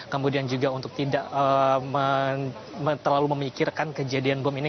kemudian juga untuk tidak terlalu memikirkan kejadian bom ini